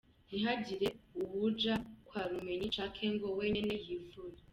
Ntihagire uwuja kwa rumenyi canke ngo we nyene yivure.